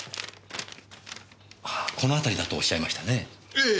この辺りだとおっしゃいましたねえ？